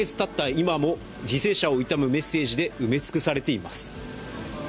今も、犠牲者を悼むメッセージで埋め尽くされています。